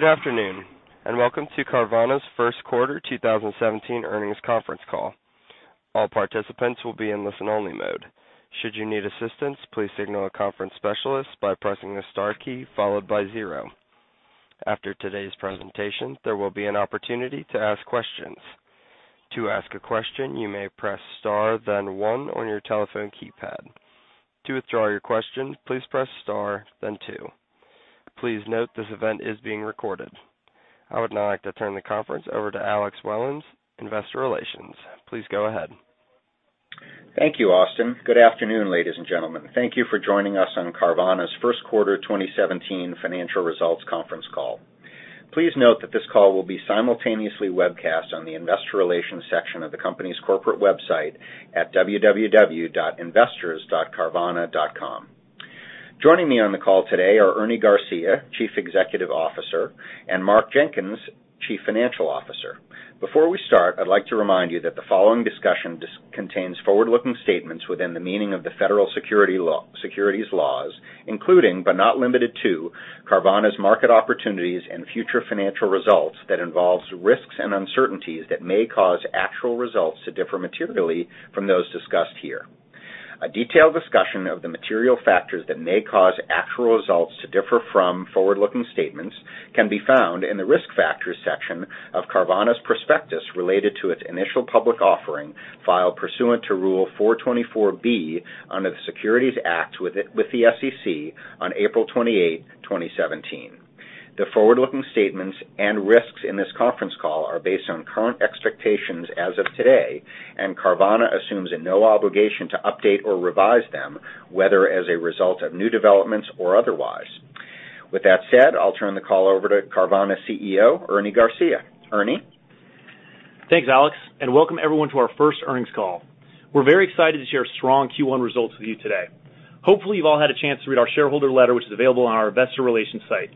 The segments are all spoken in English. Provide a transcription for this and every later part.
Good afternoon, welcome to Carvana's first quarter 2017 earnings conference call. All participants will be in listen only mode. Should you need assistance, please signal a conference specialist by pressing the star key followed by zero. After today's presentation, there will be an opportunity to ask questions. To ask a question, you may press star then one on your telephone keypad. To withdraw your question, please press star then two. Please note this event is being recorded. I would now like to turn the conference over to Alex Wellins, Investor Relations. Please go ahead. Thank you, Austin. Good afternoon, ladies and gentlemen. Thank you for joining us on Carvana's first quarter 2017 financial results conference call. Please note that this call will be simultaneously webcast on the investor relations section of the company's corporate website at www.investors.carvana.com. Joining me on the call today are Ernie Garcia, Chief Executive Officer, and Mark Jenkins, Chief Financial Officer. Before we start, I'd like to remind you that the following discussion contains forward-looking statements within the meaning of the Federal Securities laws, including but not limited to Carvana's market opportunities and future financial results that involves risks and uncertainties that may cause actual results to differ materially from those discussed here. A detailed discussion of the material factors that may cause actual results to differ from forward-looking statements can be found in the Risk Factors section of Carvana's prospectus related to its initial public offering, filed pursuant to Rule 424 under the Securities Act with the SEC on April 28, 2017. The forward-looking statements and risks in this conference call are based on current expectations as of today, Carvana assumes a no obligation to update or revise them, whether as a result of new developments or otherwise. With that said, I'll turn the call over to Carvana CEO, Ernie Garcia. Ernie? Thanks, Alex, welcome everyone to our first earnings call. We're very excited to share our strong Q1 results with you today. Hopefully, you've all had a chance to read our shareholder letter, which is available on our investor relations site.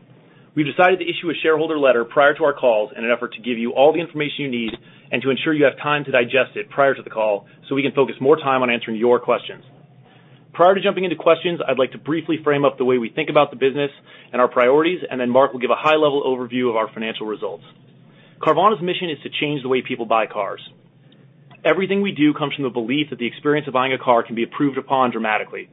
We've decided to issue a shareholder letter prior to our calls in an effort to give you all the information you need and to ensure you have time to digest it prior to the call so we can focus more time on answering your questions. Prior to jumping into questions, I'd like to briefly frame up the way we think about the business and our priorities, then Mark will give a high-level overview of our financial results. Carvana's mission is to change the way people buy cars. Everything we do comes from the belief that the experience of buying a car can be improved upon dramatically.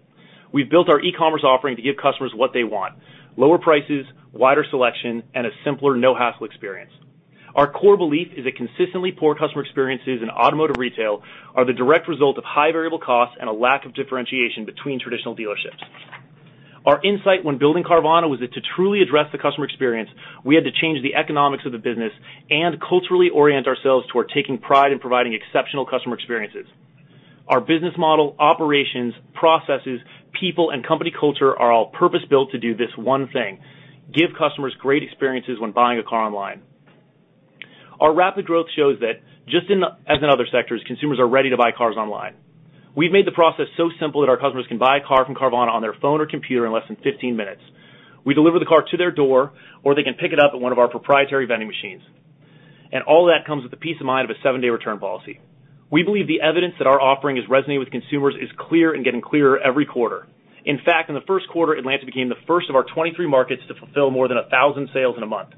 We've built our e-commerce offering to give customers what they want: lower prices, wider selection, and a simpler, no-hassle experience. Our core belief is that consistently poor customer experiences in automotive retail are the direct result of high variable costs and a lack of differentiation between traditional dealerships. Our insight when building Carvana was that to truly address the customer experience, we had to change the economics of the business and culturally orient ourselves toward taking pride in providing exceptional customer experiences. Our business model, operations, processes, people, and company culture are all purpose-built to do this one thing: give customers great experiences when buying a car online. Our rapid growth shows that just as in other sectors, consumers are ready to buy cars online. We've made the process so simple that our customers can buy a car from Carvana on their phone or computer in less than 15 minutes. We deliver the car to their door, or they can pick it up at one of our proprietary vending machines. All of that comes with the peace of mind of a seven-day return policy. We believe the evidence that our offering is resonating with consumers is clear and getting clearer every quarter. In fact, in the first quarter, Atlanta became the first of our 23 markets to fulfill more than 1,000 sales in a month.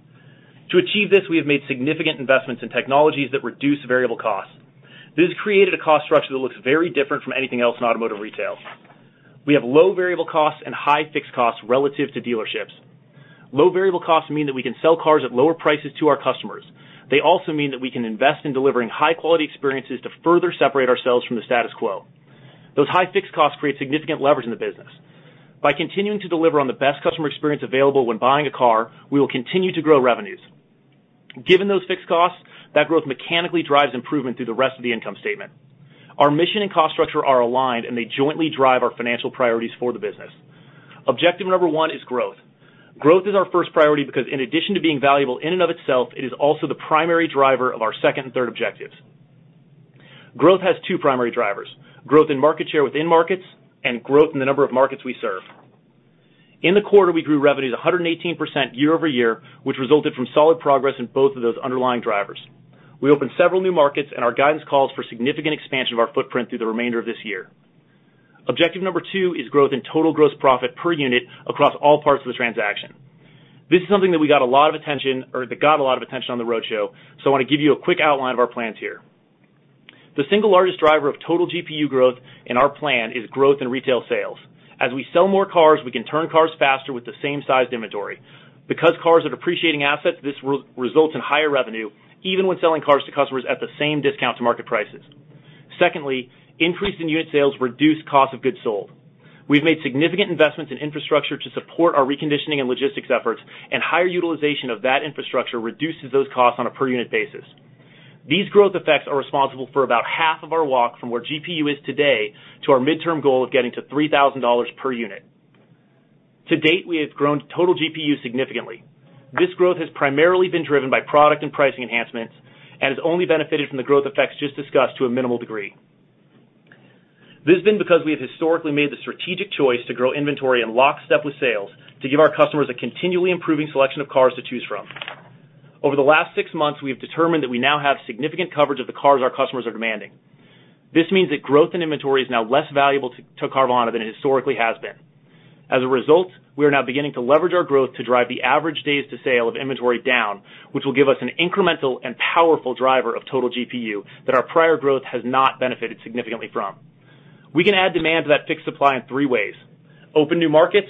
To achieve this, we have made significant investments in technologies that reduce variable costs. This created a cost structure that looks very different from anything else in automotive retail. We have low variable costs and high fixed costs relative to dealerships. Low variable costs mean that we can sell cars at lower prices to our customers. They also mean that we can invest in delivering high-quality experiences to further separate ourselves from the status quo. Those high fixed costs create significant leverage in the business. By continuing to deliver on the best customer experience available when buying a car, we will continue to grow revenues. Given those fixed costs, that growth mechanically drives improvement through the rest of the income statement. Our mission and cost structure are aligned, and they jointly drive our financial priorities for the business. Objective number one is growth. Growth is our first priority because in addition to being valuable in and of itself, it is also the primary driver of our second and third objectives. Growth has two primary drivers, growth in market share within markets and growth in the number of markets we serve. In the quarter, we grew revenues 118% year-over-year, which resulted from solid progress in both of those underlying drivers. We opened several new markets. Our guidance calls for significant expansion of our footprint through the remainder of this year. Objective number two is growth in total gross profit per unit across all parts of the transaction. This is something that got a lot of attention on the roadshow, so I want to give you a quick outline of our plans here. The single largest driver of total GPU growth in our plan is growth in retail sales. As we sell more cars, we can turn cars faster with the same sized inventory. Because cars are depreciating assets, this results in higher revenue even when selling cars to customers at the same discount to market prices. Secondly, increase in unit sales reduce cost of goods sold. We've made significant investments in infrastructure to support our reconditioning and logistics efforts. Higher utilization of that infrastructure reduces those costs on a per unit basis. These growth effects are responsible for about half of our walk from where GPU is today to our midterm goal of getting to $3,000 per unit. To date, we have grown total GPU significantly. This growth has primarily been driven by product and pricing enhancements and has only benefited from the growth effects just discussed to a minimal degree. This has been because we have historically made the strategic choice to grow inventory in lockstep with sales to give our customers a continually improving selection of cars to choose from. Over the last six months, we have determined that we now have significant coverage of the cars our customers are demanding. This means that growth in inventory is now less valuable to Carvana than it historically has been. As a result, we are now beginning to leverage our growth to drive the average days to sale of inventory down, which will give us an incremental and powerful driver of total GPU that our prior growth has not benefited significantly from. We can add demand to that fixed supply in three ways: open new markets,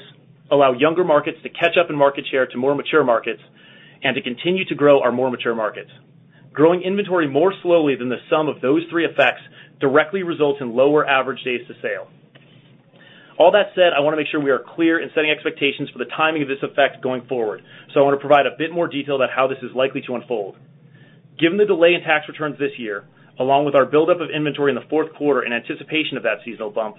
allow younger markets to catch up in market share to more mature markets, and to continue to grow our more mature markets. Growing inventory more slowly than the sum of those three effects directly results in lower average days to sale. All that said, I want to make sure we are clear in setting expectations for the timing of this effect going forward. I want to provide a bit more detail about how this is likely to unfold. Given the delay in tax returns this year, along with our buildup of inventory in the fourth quarter in anticipation of that seasonal bump,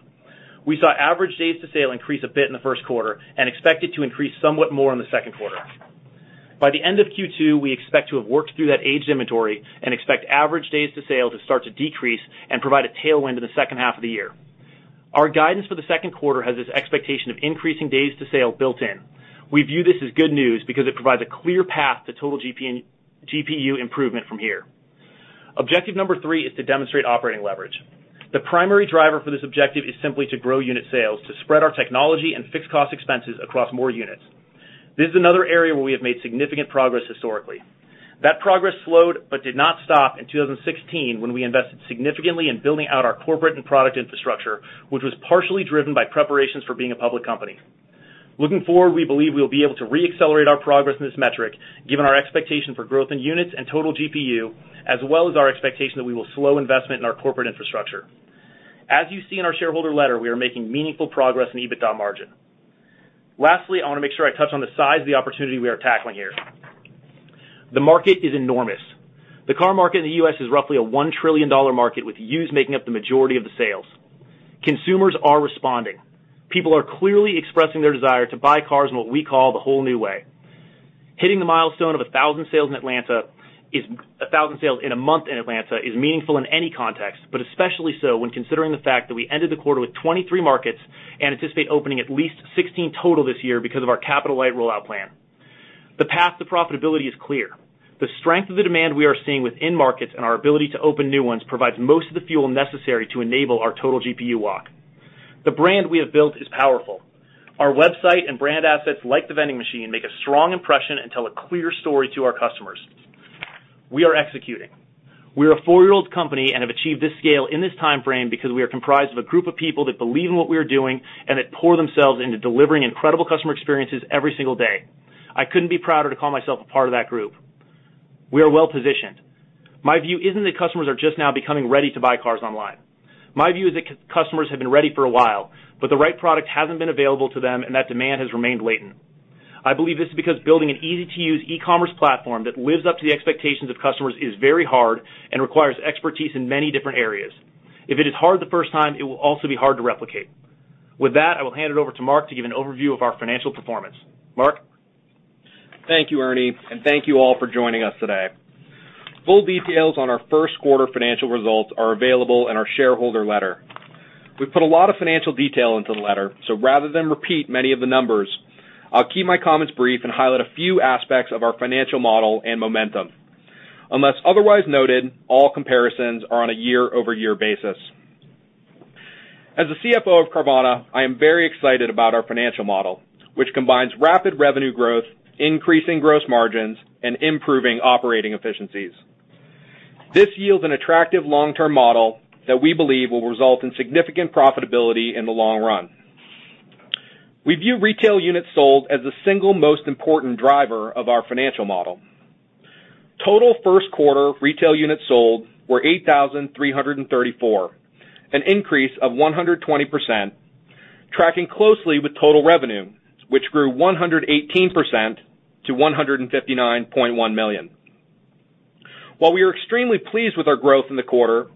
we saw average days to sale increase a bit in the first quarter and expect it to increase somewhat more in the second quarter. By the end of Q2, we expect to have worked through that aged inventory and expect average days to sale to start to decrease and provide a tailwind in the second half of the year. Our guidance for the second quarter has this expectation of increasing days to sale built in. We view this as good news because it provides a clear path to total GPU improvement from here. Objective number three is to demonstrate operating leverage. The primary driver for this objective is simply to grow unit sales, to spread our technology and fixed cost expenses across more units. This is another area where we have made significant progress historically. That progress slowed but did not stop in 2016 when we invested significantly in building out our corporate and product infrastructure, which was partially driven by preparations for being a public company. Looking forward, we believe we'll be able to re-accelerate our progress in this metric given our expectation for growth in units and total GPU, as well as our expectation that we will slow investment in our corporate infrastructure. As you see in our shareholder letter, we are making meaningful progress in EBITDA margin. Lastly, I want to make sure I touch on the size of the opportunity we are tackling here. The market is enormous. The car market in the U.S. is roughly a $1 trillion market, with used making up the majority of the sales. Consumers are responding. People are clearly expressing their desire to buy cars in what we call the whole new way. Hitting the milestone of 1,000 sales in a month in Atlanta is meaningful in any context, but especially so when considering the fact that we ended the quarter with 23 markets and anticipate opening at least 16 total this year because of our capital-light rollout plan. The path to profitability is clear. The strength of the demand we are seeing within markets and our ability to open new ones provides most of the fuel necessary to enable our total GPU walk. The brand we have built is powerful. Our website and brand assets, like the vending machine, make a strong impression and tell a clear story to our customers. We are executing. We are a four-year-old company and have achieved this scale in this timeframe because we are comprised of a group of people that believe in what we are doing and that pour themselves into delivering incredible customer experiences every single day. I couldn't be prouder to call myself a part of that group. We are well positioned. My view isn't that customers are just now becoming ready to buy cars online. My view is that customers have been ready for a while, but the right product hasn't been available to them, and that demand has remained latent. I believe this is because building an easy-to-use e-commerce platform that lives up to the expectations of customers is very hard and requires expertise in many different areas. If it is hard the first time, it will also be hard to replicate. With that, I will hand it over to Mark to give an overview of our financial performance. Mark? Thank you, Ernie, and thank you all for joining us today. Full details on our first quarter financial results are available in our shareholder letter. We put a lot of financial detail into the letter, so rather than repeat many of the numbers, I'll keep my comments brief and highlight a few aspects of our financial model and momentum. Unless otherwise noted, all comparisons are on a year-over-year basis. As the CFO of Carvana, I am very excited about our financial model, which combines rapid revenue growth, increasing gross margins, and improving operating efficiencies. This yields an attractive long-term model that we believe will result in significant profitability in the long run. We view retail units sold as the single most important driver of our financial model. Total first quarter retail units sold were 8,334, an increase of 120%, tracking closely with total revenue, which grew 118% to $159.1 million. While we are extremely pleased with our growth in the quarter,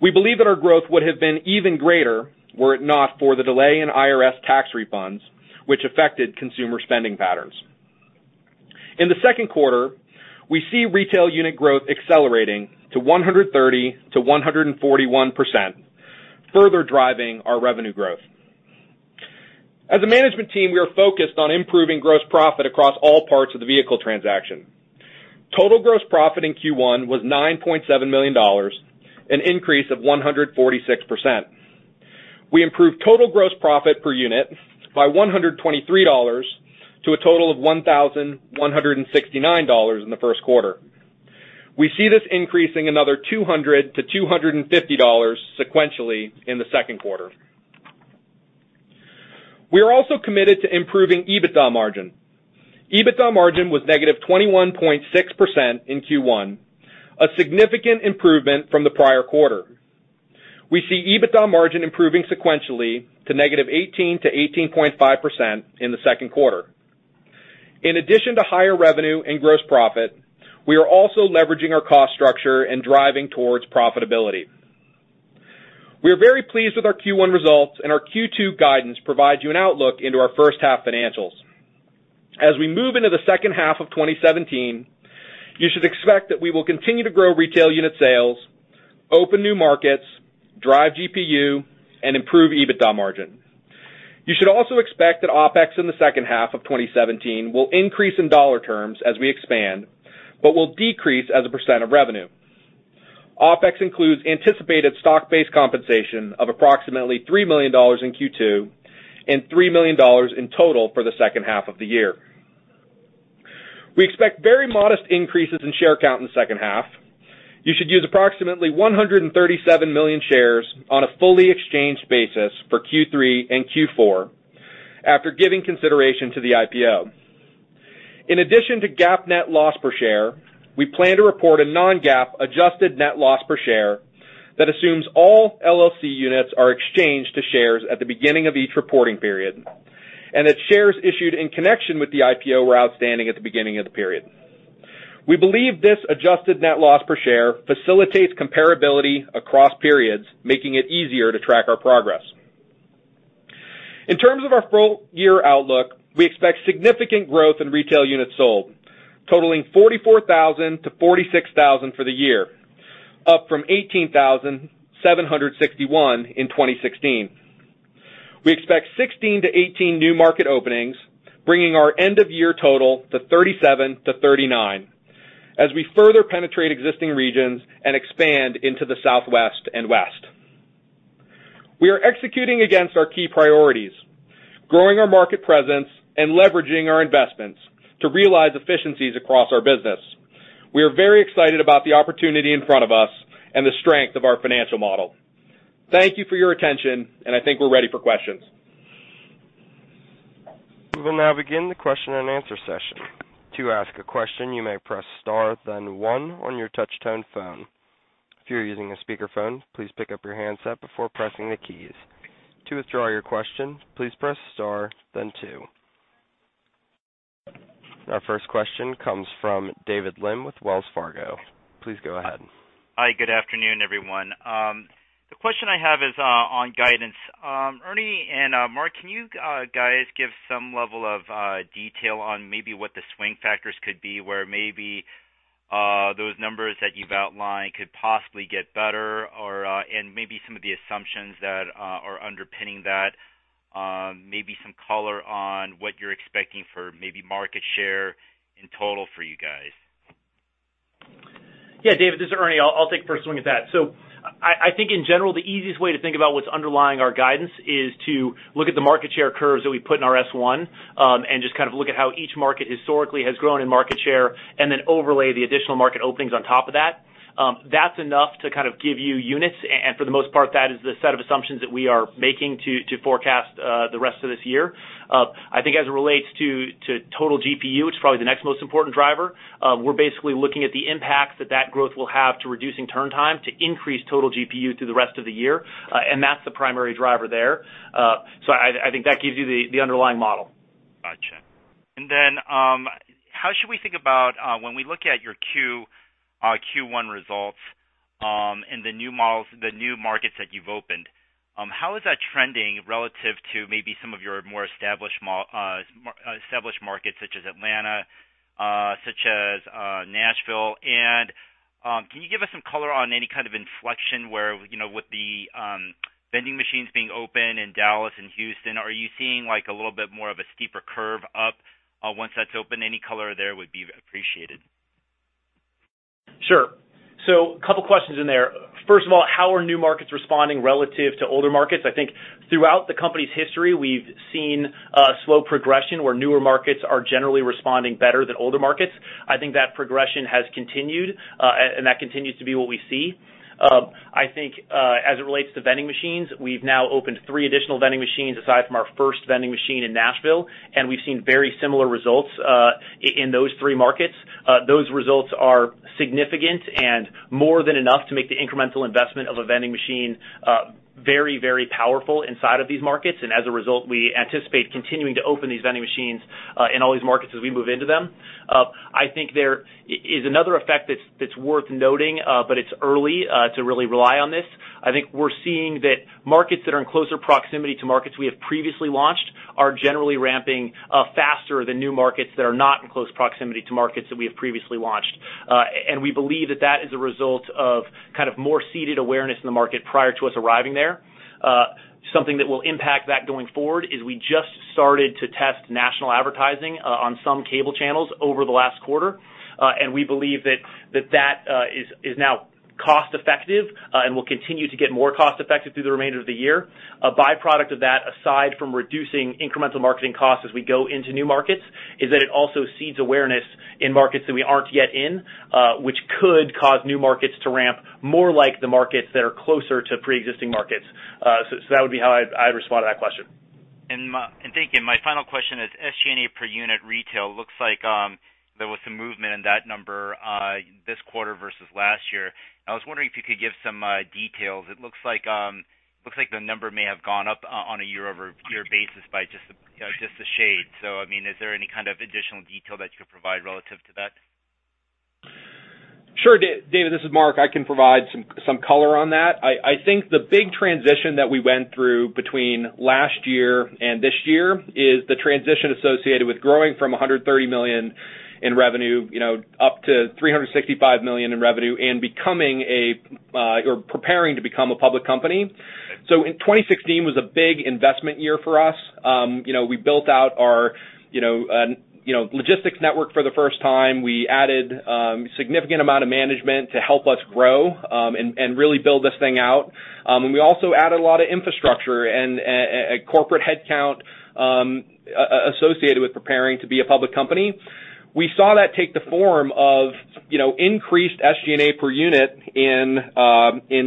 we believe that our growth would have been even greater were it not for the delay in IRS tax refunds, which affected consumer spending patterns. In the second quarter, we see retail unit growth accelerating to 130%-141%, further driving our revenue growth. As a management team, we are focused on improving gross profit across all parts of the vehicle transaction. Total gross profit in Q1 was $9.7 million, an increase of 146%. We improved total gross profit per unit by $123 to a total of $1,169 in the first quarter. We see this increasing another $200-$250 sequentially in the second quarter. We are also committed to improving EBITDA margin. EBITDA margin was -21.6% in Q1, a significant improvement from the prior quarter. We see EBITDA margin improving sequentially to -18%-18.5% in the second quarter. In addition to higher revenue and gross profit, we are also leveraging our cost structure and driving towards profitability. We are very pleased with our Q1 results, and our Q2 guidance provides you an outlook into our first half financials. As we move into the second half of 2017, you should expect that we will continue to grow retail unit sales, open new markets, drive GPU, and improve EBITDA margin. You should also expect that OpEx in the second half of 2017 will increase in dollar terms as we expand, but will decrease as a percent of revenue. OpEx includes anticipated stock-based compensation of approximately $3 million in Q2 and $3 million in total for the second half of the year. We expect very modest increases in share count in the second half. You should use approximately 137 million shares on a fully exchanged basis for Q3 and Q4 after giving consideration to the IPO. In addition to GAAP net loss per share, we plan to report a non-GAAP adjusted net loss per share that assumes all LLC units are exchanged to shares at the beginning of each reporting period, and that shares issued in connection with the IPO were outstanding at the beginning of the period. We believe this adjusted net loss per share facilitates comparability across periods, making it easier to track our progress. In terms of our full-year outlook, we expect significant growth in retail units sold, totaling 44,000-46,000 for the year, up from 18,761 in 2016. We expect 16-18 new market openings, bringing our end-of-year total to 37-39, as we further penetrate existing regions and expand into the Southwest and West. We are executing against our key priorities, growing our market presence, and leveraging our investments to realize efficiencies across our business. We are very excited about the opportunity in front of us and the strength of our financial model. Thank you for your attention, and I think we're ready for questions. We will now begin the question and answer session. To ask a question, you may press star then one on your touch-tone phone. If you're using a speakerphone, please pick up your handset before pressing the keys. To withdraw your question, please press star then two. Our first question comes from David Lim with Wells Fargo. Please go ahead. Hi, good afternoon, everyone. The question I have is on guidance. Ernie and Mark, can you guys give some level of detail on maybe what the swing factors could be, where maybe those numbers that you've outlined could possibly get better and maybe some of the assumptions that are underpinning that? Maybe some color on what you're expecting for maybe market share in total for you guys. Yeah, David, this is Ernie. I'll take first swing at that. I think in general, the easiest way to think about what's underlying our guidance is to look at the market share curves that we put in our S1, and just look at how each market historically has grown in market share, then overlay the additional market openings on top of that. That's enough to give you units, and for the most part, that is the set of assumptions that we are making to forecast the rest of this year. I think as it relates to total GPU, which is probably the next most important driver, we're basically looking at the impact that that growth will have to reducing turn time to increase total GPU through the rest of the year. That's the primary driver there. I think that gives you the underlying model. Got you. Then, how should we think about when we look at your Q1 results, and the new markets that you've opened, how is that trending relative to maybe some of your more established markets, such as Atlanta, such as Nashville? Can you give us some color on any kind of inflection where, with the vending machines being open in Dallas and Houston, are you seeing a little bit more of a steeper curve up once that's open? Any color there would be appreciated. Sure. A couple questions in there. First of all, how are new markets responding relative to older markets? I think throughout the company's history, we've seen a slow progression where newer markets are generally responding better than older markets. I think that progression has continued, and that continues to be what we see. I think, as it relates to vending machines, we've now opened three additional vending machines aside from our first vending machine in Nashville, and we've seen very similar results in those three markets. Those results are significant and more than enough to make the incremental investment of a vending machine very powerful inside of these markets. As a result, we anticipate continuing to open these vending machines in all these markets as we move into them. I think there is another effect that's worth noting, but it's early to really rely on this. I think we're seeing that markets that are in closer proximity to markets we have previously launched are generally ramping faster than new markets that are not in close proximity to markets that we have previously launched. We believe that that is a result of more seeded awareness in the market prior to us arriving there. Something that will impact that going forward is we just started to test national advertising on some cable channels over the last quarter. We believe that that is now cost-effective and will continue to get more cost-effective through the remainder of the year. A byproduct of that, aside from reducing incremental marketing costs as we go into new markets, is that it also seeds awareness in markets that we aren't yet in, which could cause new markets to ramp more like the markets that are closer to preexisting markets. That would be how I'd respond to that question. Thank you. My final question is SG&A per unit retail. Looks like there was some movement in that number this quarter versus last year. I was wondering if you could give some details. It looks like the number may have gone up on a year-over-year basis by just a shade. Is there any kind of additional detail that you could provide relative to that? Sure, David, this is Mark. I can provide some color on that. I think the big transition that we went through between last year and this year is the transition associated with growing from $130 million in revenue up to $365 million in revenue and preparing to become a public company. 2016 was a big investment year for us. We built out our logistics network for the first time. We added a significant amount of management to help us grow and really build this thing out. We also added a lot of infrastructure and corporate headcount associated with preparing to be a public company. We saw that take the form of increased SG&A per unit in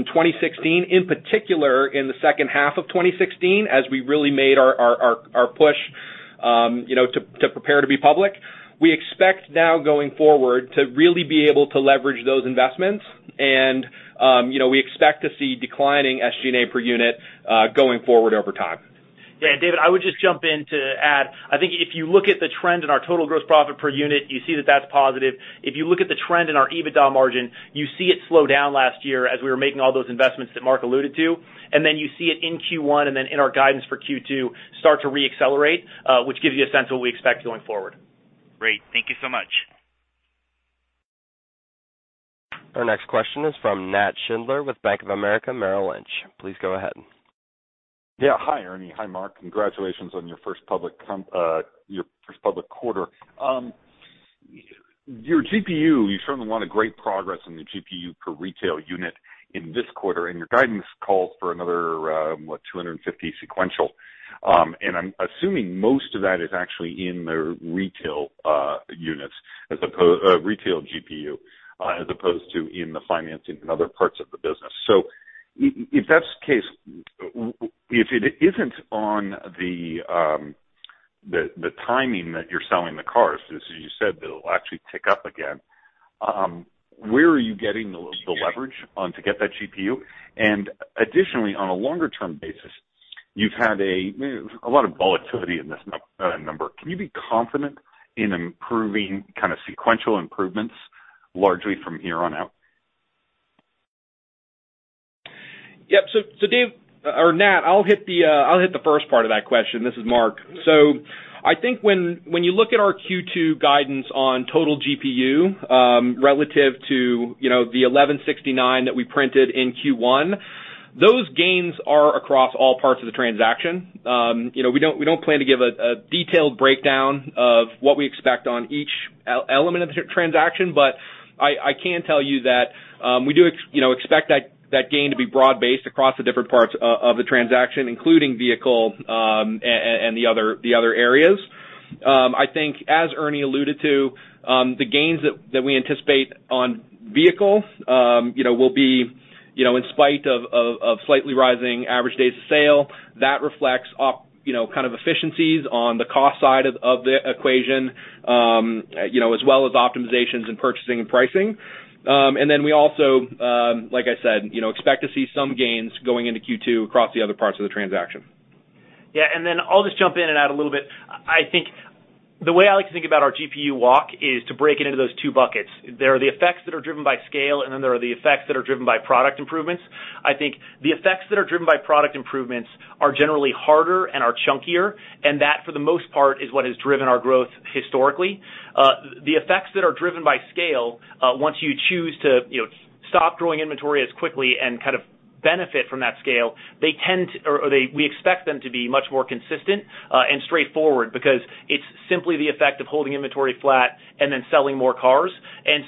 2016, in particular, in the second half of 2016, as we really made our push to prepare to be public. We expect now going forward to really be able to leverage those investments and we expect to see declining SG&A per unit going forward over time. Yeah, David, I would just jump in to add, I think if you look at the trend in our total gross profit per unit, you see that that's positive. If you look at the trend in our EBITDA margin, you see it slow down last year as we were making all those investments that Mark alluded to. You see it in Q1 and in our guidance for Q2 start to re-accelerate, which gives you a sense of what we expect going forward. Great. Thank you so much. Our next question is from Nat Schindler with Bank of America Merrill Lynch. Please go ahead. Yeah. Hi, Ernie. Hi, Mark. Congratulations on your first public quarter. Your GPU, you've shown a lot of great progress in your GPU per retail unit in this quarter, your guidance calls for another, what, $250 sequential. I'm assuming most of that is actually in the retail GPU, as opposed to in the financing and other parts of the business. If that's the case, if it isn't on the timing that you're selling the cars, as you said, that it'll actually tick up again, where are you getting the leverage to get that GPU? Additionally, on a longer term basis, you've had a lot of volatility in this number. Can you be confident in improving sequential improvements largely from here on out? Yep. Nat, I'll hit the first part of that question. This is Mark. I think when you look at our Q2 guidance on total GPU relative to the $1,169 that we printed in Q1, those gains are across all parts of the transaction. We don't plan to give a detailed breakdown of what we expect on each element of the transaction, I can tell you that we do expect that gain to be broad-based across the different parts of the transaction, including vehicle and the other areas. I think as Ernie alluded to, the gains that we anticipate on vehicle will be in spite of slightly rising average days of sale. That reflects efficiencies on the cost side of the equation as well as optimizations in purchasing and pricing. We also, like I said, expect to see some gains going into Q2 across the other parts of the transaction. Yeah. Then I'll just jump in and add a little bit. I think the way I like to think about our GPU walk is to break it into those two buckets. There are the effects that are driven by scale, and then there are the effects that are driven by product improvements. I think the effects that are driven by product improvements are generally harder and are chunkier, and that, for the most part, is what has driven our growth historically. The effects that are driven by scale, once you choose to stop growing inventory as quickly and benefit from that scale, we expect them to be much more consistent and straightforward because it's simply the effect of holding inventory flat and then selling more cars.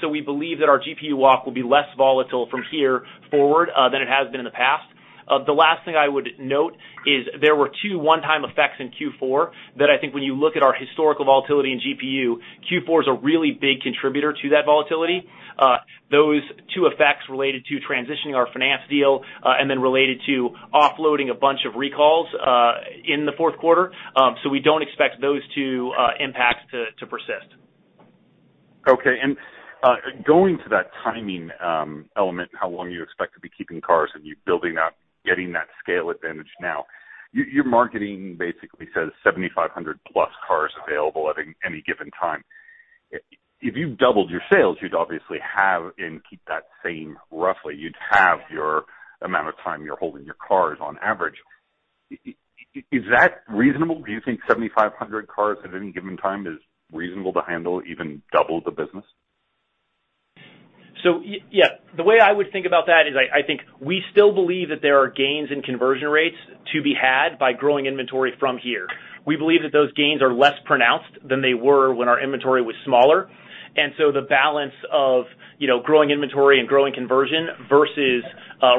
So we believe that our GPU walk will be less volatile from here forward than it has been in the past. The last thing I would note is there were two one-time effects in Q4 that I think when you look at our historical volatility in GPU, Q4 is a really big contributor to that volatility. Those two effects related to transitioning our finance deal and then related to offloading a bunch of recalls in the fourth quarter. We don't expect those two impacts to persist. Okay. Going to that timing element, how long you expect to be keeping cars and you building up, getting that scale advantage now. Your marketing basically says 7,500+ cars available at any given time. If you've doubled your sales, you'd obviously have and keep that same roughly. You'd have your amount of time you're holding your cars on average. Is that reasonable? Do you think 7,500 cars at any given time is reasonable to handle even double the business? Yeah, the way I would think about that is I think we still believe that there are gains in conversion rates to be had by growing inventory from here. We believe that those gains are less pronounced than they were when our inventory was smaller. So the balance of growing inventory and growing conversion versus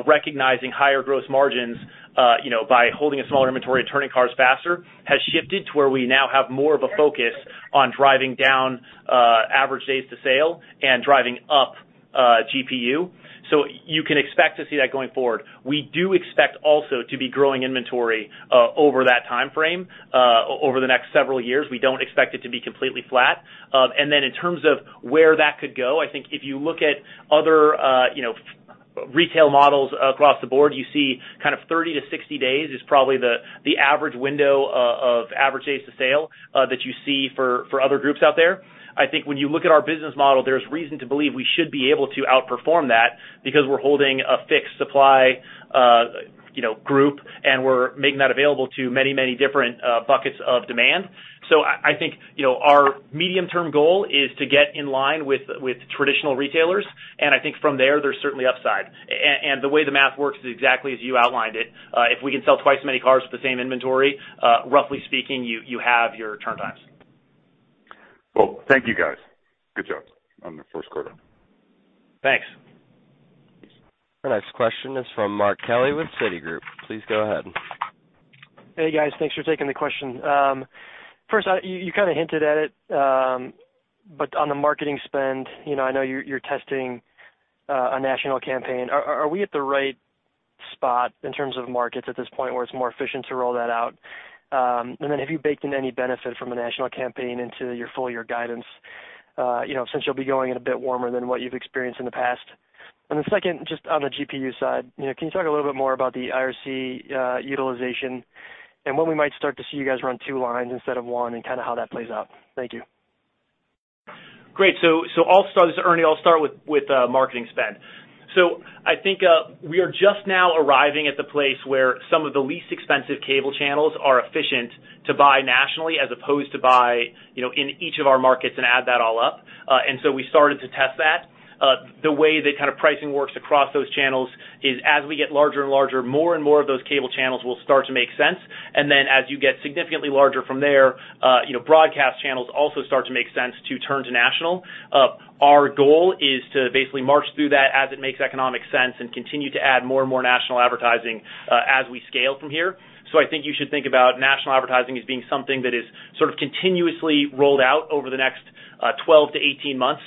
recognizing higher gross margins by holding a smaller inventory and turning cars faster, has shifted to where we now have more of a focus on driving down average days to sale and driving up GPU. You can expect to see that going forward. We do expect also to be growing inventory over that time frame, over the next several years. We don't expect it to be completely flat. In terms of where that could go, I think if you look at other retail models across the board, you see 30-60 days is probably the average window of average days to sale that you see for other groups out there. I think when you look at our business model, there's reason to believe we should be able to outperform that because we're holding a fixed supply group, and we're making that available to many different buckets of demand. I think our medium-term goal is to get in line with traditional retailers, and I think from there's certainly upside. The way the math works is exactly as you outlined it. If we can sell twice as many cars with the same inventory, roughly speaking, you have your turn times. Well, thank you, guys. Good job on the first quarter. Thanks. Our next question is from Mark Kelly with Citigroup. Please go ahead. Hey, guys. Thanks for taking the question. First, you kind of hinted at it, but on the marketing spend, I know you're testing a national campaign. Have you baked in any benefit from a national campaign into your full year guidance since you'll be going in a bit warmer than what you've experienced in the past? Second, just on the GPU side, can you talk a little bit more about the IRC utilization and when we might start to see you guys run two lines instead of one and how that plays out? Thank you. Great. This is Ernie. I'll start with marketing spend. I think we are just now arriving at the place where some of the least expensive cable channels are efficient to buy nationally as opposed to buy in each of our markets and add that all up. We started to test that. The way the pricing works across those channels is as we get larger and larger, more and more of those cable channels will start to make sense. As you get significantly larger from there, broadcast channels also start to make sense to turn to national. Our goal is to basically march through that as it makes economic sense and continue to add more and more national advertising as we scale from here. I think you should think about national advertising as being something that is sort of continuously rolled out over the next 12 to 18 months,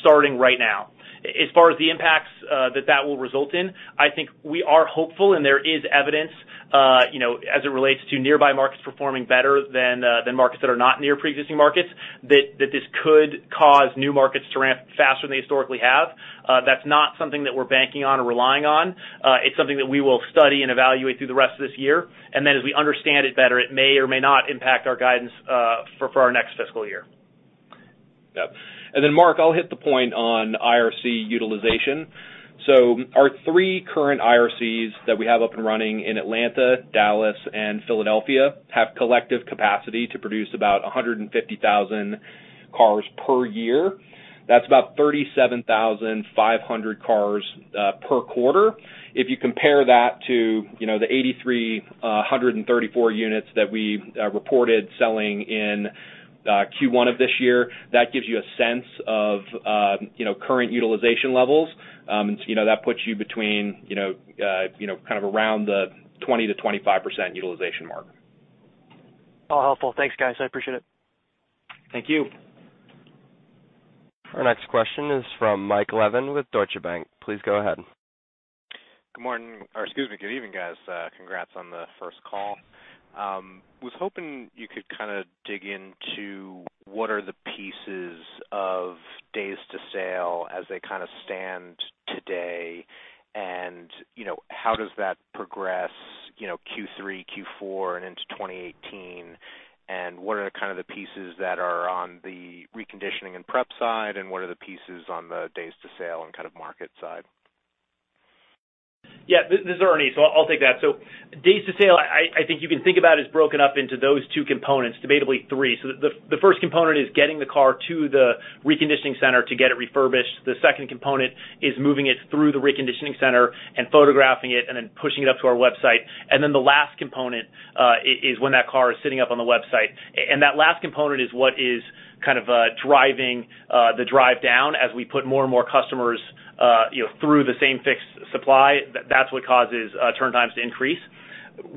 starting right now. As far as the impacts that that will result in, I think we are hopeful, and there is evidence as it relates to nearby markets performing better than markets that are not near pre-existing markets, that this could cause new markets to ramp faster than they historically have. That's not something that we're banking on or relying on. It's something that we will study and evaluate through the rest of this year. As we understand it better, it may or may not impact our guidance for our next fiscal year. Yep. Mark, I'll hit the point on IRC utilization. Our three current IRCs that we have up and running in Atlanta, Dallas, and Philadelphia have collective capacity to produce about 150,000 cars per year. That's about 37,500 cars per quarter. If you compare that to the 8,334 units that we reported selling in Q1 of this year, that gives you a sense of current utilization levels. That puts you between around the 20%-25% utilization mark. All helpful. Thanks, guys. I appreciate it. Thank you. Our next question is from Michael Levin with Deutsche Bank. Please go ahead. Good morning, or excuse me, good evening, guys. Congrats on the first call. Was hoping you could dig into what are the pieces of days to sale as they stand today, and how does that progress Q3, Q4, and into 2018, and what are the pieces that are on the reconditioning and prep side, and what are the pieces on the days to sale and market side? Yeah. This is Ernie. I'll take that. Days to sale, I think you can think about as broken up into those two components, debatably three. The first component is getting the car to the reconditioning center to get it refurbished. The second component is moving it through the reconditioning center and photographing it and then pushing it up to our website. The last component is when that car is sitting up on the website. That last component is what is driving the drive down as we put more and more customers through the same fixed supply. That's what causes turn times to increase.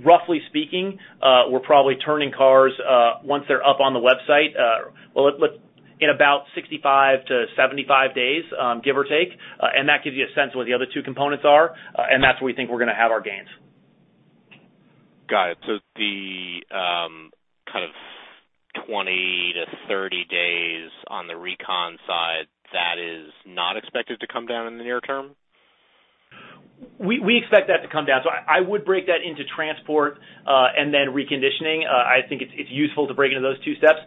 Roughly speaking, we're probably turning cars once they're up on the website in about 65-75 days, give or take. That gives you a sense of what the other two components are, and that's where we think we're going to have our gains. Got it. The 20-30 days on the recon side, that is not expected to come down in the near term? We expect that to come down. I would break that into transport and then reconditioning. I think it's useful to break it into those two steps.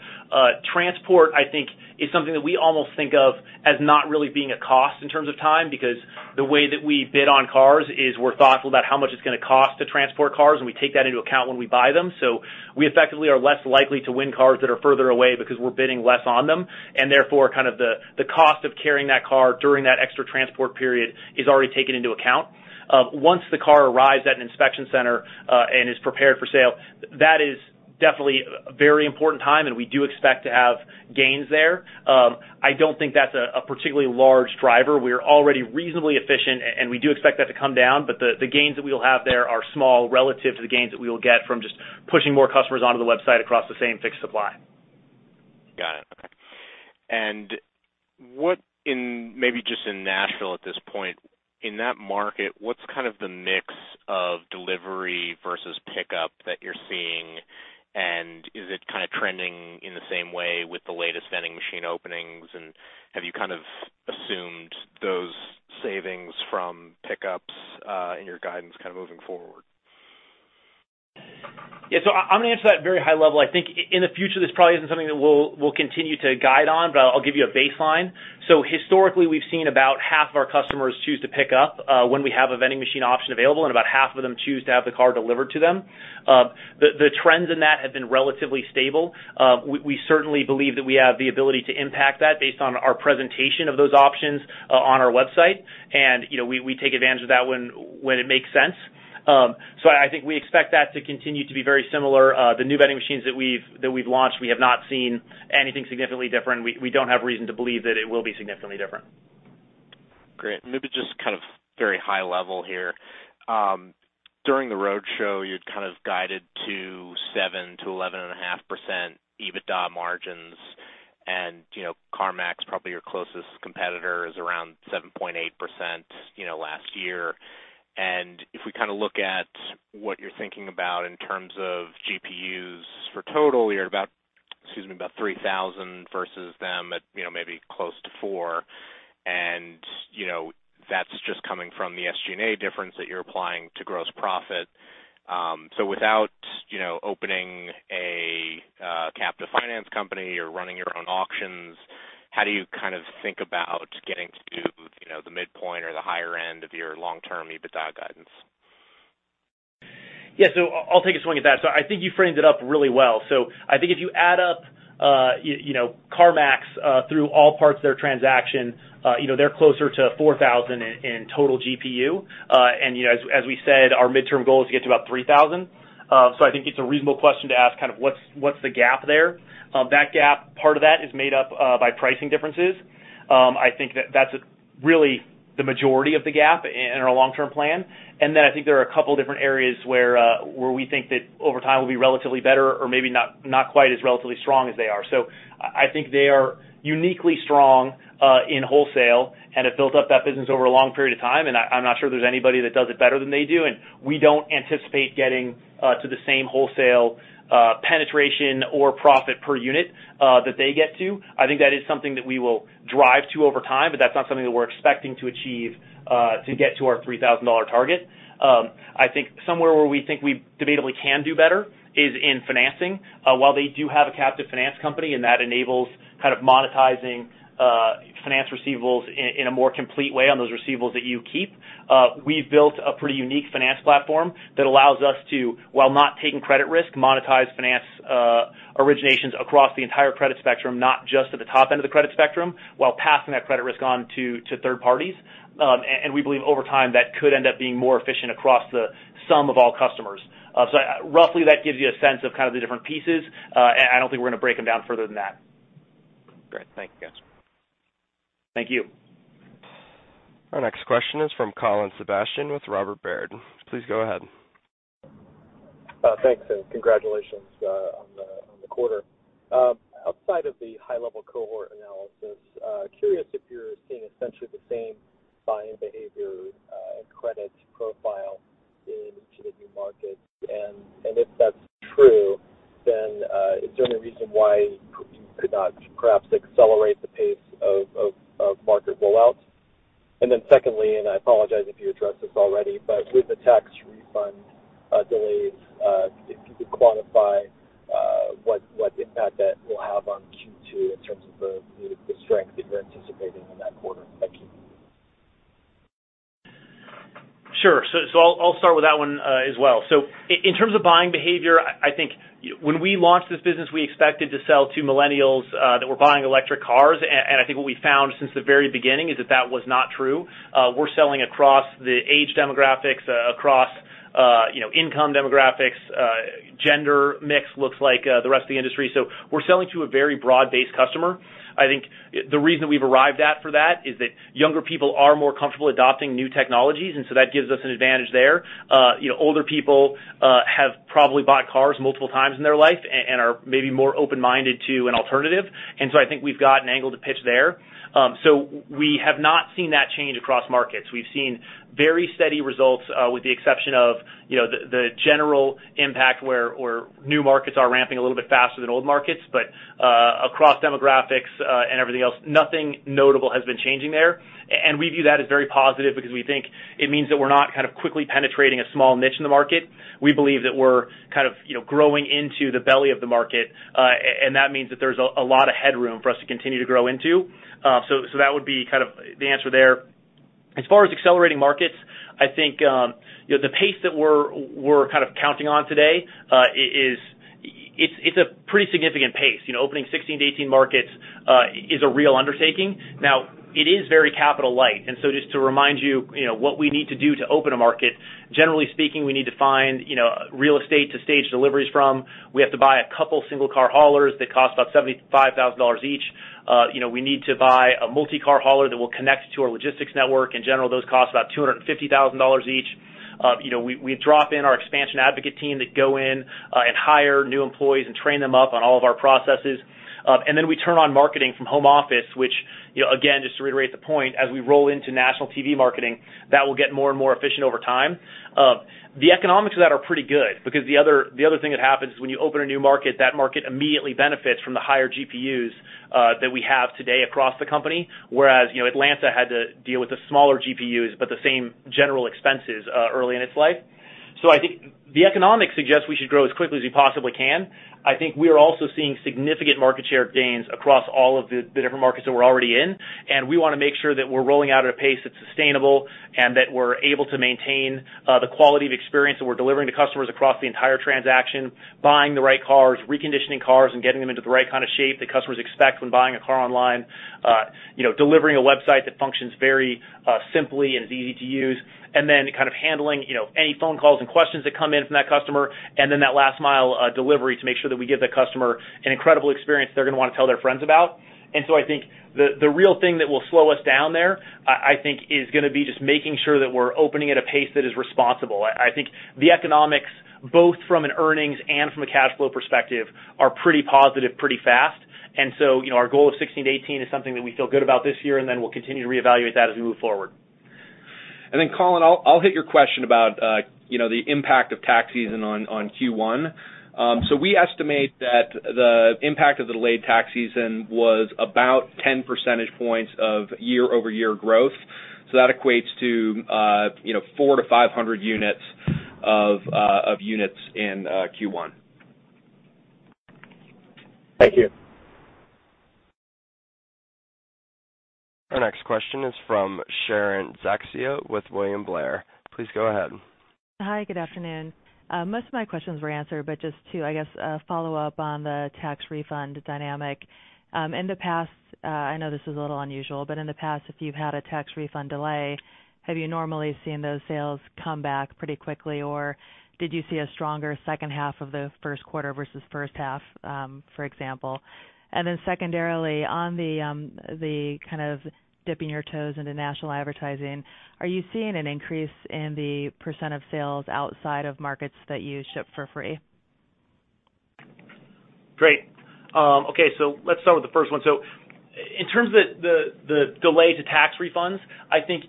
Transport, I think, is something that we almost think of as not really being a cost in terms of time, because the way that we bid on cars is we're thoughtful about how much it's going to cost to transport cars, and we take that into account when we buy them. We effectively are less likely to win cars that are further away because we're bidding less on them, and therefore the cost of carrying that car during that extra transport period is already taken into account. Once the car arrives at an inspection center and is prepared for sale, that is definitely a very important time and we do expect to have gains there. I don't think that's a particularly large driver. We are already reasonably efficient and we do expect that to come down, but the gains that we will have there are small relative to the gains that we will get from just pushing more customers onto the website across the same fixed supply. Got it. Okay. Maybe just in Nashville at this point, in that market, what's the mix of delivery versus pickup that you're seeing, and is it trending in the same way with the latest vending machine openings, and have you assumed those savings from pickups in your guidance moving forward? Yeah. I'm going to answer that very high level. I think in the future, this probably isn't something that we'll continue to guide on, but I'll give you a baseline. Historically, we've seen about half of our customers choose to pick up when we have a vending machine option available, and about half of them choose to have the car delivered to them. The trends in that have been relatively stable. We certainly believe that we have the ability to impact that based on our presentation of those options on our website, and we take advantage of that when it makes sense. I think we expect that to continue to be very similar. The new vending machines that we've launched, we have not seen anything significantly different. We don't have reason to believe that it will be significantly different. Great. Maybe just very high level here. During the roadshow, you'd guided to 7%-11.5% EBITDA margins. CarMax, probably your closest competitor, is around 7.8% last year. If we look at what you're thinking about in terms of GPUs for total, you're at about 3,000 versus them at maybe close to four. That's just coming from the SG&A difference that you're applying to gross profit. Without opening a captive finance company or running your own auctions, how do you think about getting to the midpoint or the higher end of your long-term EBITDA guidance? Yeah. I'll take a swing at that. I think you framed it up really well. I think if you add up CarMax through all parts of their transaction, they're closer to 4,000 in total GPU. As we said, our midterm goal is to get to about 3,000. I think it's a reasonable question to ask, what's the gap there? That gap, part of that is made up by pricing differences. I think that's really the majority of the gap in our long-term plan. Then I think there are a couple different areas where we think that over time we'll be relatively better or maybe not quite as relatively strong as they are. I think they are uniquely strong in wholesale and have built up that business over a long period of time, and I'm not sure there's anybody that does it better than they do. We don't anticipate getting to the same wholesale penetration or profit per unit that they get to. I think that is something that we will drive to over time, but that's not something that we're expecting to achieve to get to our $3,000 target. I think somewhere where we think we debatably can do better is in financing. While they do have a captive finance company, and that enables monetizing finance receivables in a more complete way on those receivables that you keep, we've built a pretty unique finance platform that allows us to, while not taking credit risk, monetize finance originations across the entire credit spectrum, not just at the top end of the credit spectrum, while passing that credit risk on to third parties. We believe over time, that could end up being more efficient across the sum of all customers. Roughly that gives you a sense of the different pieces. I don't think we're going to break them down further than that. Great. Thank you. Thank you. Our next question is from Colin Sebastian with Robert W. Baird. Please go ahead. Thanks, and congratulations on the quarter. Outside of the high-level cohort analysis, curious if you're seeing essentially the same buying behavior and credit profile into the new markets. If that's true, then is there any reason why you could not perhaps accelerate the pace of market roll-outs? Secondly, I apologize if you addressed this already, but with the tax refund delays, if you could quantify what impact that will have on Q2 in terms of the strength that you're anticipating in that quarter. Thank you. Sure. I'll start with that one as well. In terms of buying behavior, I think when we launched this business, we expected to sell to millennials that were buying electric cars. I think what we found since the very beginning is that that was not true. We're selling across the age demographics, across income demographics. Gender mix looks like the rest of the industry. We're selling to a very broad-based customer. I think the reason we've arrived at for that is that younger people are more comfortable adopting new technologies, and so that gives us an advantage there. Older people have probably bought cars multiple times in their life and are maybe more open-minded to an alternative. I think we've got an angle to pitch there. We have not seen that change across markets. We've seen very steady results with the exception of the general impact where new markets are ramping a little bit faster than old markets. Across demographics and everything else, nothing notable has been changing there. We view that as very positive because we think it means that we're not quickly penetrating a small niche in the market. We believe that we're growing into the belly of the market, and that means that there's a lot of headroom for us to continue to grow into. That would be the answer there. As far as accelerating markets, I think the pace that we're counting on today is a pretty significant pace. Opening 16 to 18 markets is a real undertaking. It is very capital light. Just to remind you, what we need to do to open a market, generally speaking, we need to find real estate to stage deliveries from. We have to buy a couple single car haulers that cost about $75,000 each. We need to buy a multi-car hauler that will connect to our logistics network. In general, those cost about $250,000 each. We drop in our expansion advocate team that go in and hire new employees and train them up on all of our processes. We turn on marketing from home office, which again, just to reiterate the point, as we roll into national TV marketing, that will get more and more efficient over time. The economics of that are pretty good because the other thing that happens is when you open a new market, that market immediately benefits from the higher GPUs that we have today across the company. Whereas Atlanta had to deal with the smaller GPUs but the same general expenses early in its life. I think the economics suggests we should grow as quickly as we possibly can. I think we are also seeing significant market share gains across all of the different markets that we're already in. We want to make sure that we're rolling out at a pace that's sustainable, and that we're able to maintain the quality of experience that we're delivering to customers across the entire transaction, buying the right cars, reconditioning cars, and getting them into the right kind of shape that customers expect when buying a car online. Delivering a website that functions very simply and is easy to use. Handling any phone calls and questions that come in from that customer, and then that last-mile delivery to make sure that we give that customer an incredible experience they're going to want to tell their friends about. I think the real thing that will slow us down there, I think, is going to be just making sure that we're opening at a pace that is responsible. I think the economics, both from an earnings and from a cash flow perspective, are pretty positive pretty fast. Our goal of 16 to 18 is something that we feel good about this year, and then we'll continue to reevaluate that as we move forward. Colin, I'll hit your question about the impact of tax season on Q1. We estimate that the impact of the delayed tax season was about 10 percentage points of year-over-year growth. That equates to 4-500 units in Q1. Thank you. Our next question is from Sharon Zackfia with William Blair. Please go ahead. Hi. Good afternoon. Most of my questions were answered, just to, I guess, follow up on the tax refund dynamic. In the past, I know this is a little unusual, but in the past, if you've had a tax refund delay, have you normally seen those sales come back pretty quickly, or did you see a stronger second half of the first quarter versus first half, for example? Secondarily, on the kind of dipping your toes into national advertising, are you seeing an increase in the % of sales outside of markets that you ship for free? Great. Okay. Let's start with the first one. In terms of the delay to tax refunds, I think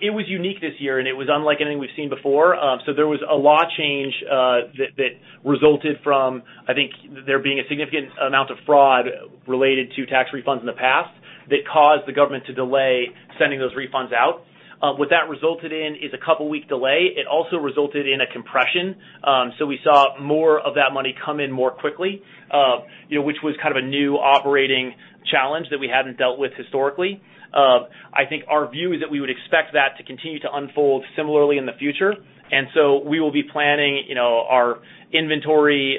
it was unique this year, and it was unlike anything we've seen before. There was a law change, that resulted from, I think, there being a significant amount of fraud related to tax refunds in the past that caused the government to delay sending those refunds out. What that resulted in is a couple week delay. It also resulted in a compression. We saw more of that money come in more quickly, which was kind of a new operating challenge that we hadn't dealt with historically. I think our view is that we would expect that to continue to unfold similarly in the future. We will be planning our inventory